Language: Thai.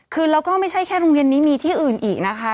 คือแล้วก็ไม่ใช่แค่โรงเรียนนี้มีที่อื่นอีกนะคะ